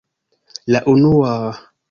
- La unua...